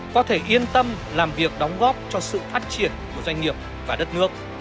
có thể yên tâm làm việc đóng góp cho sự phát triển của doanh nghiệp và đất nước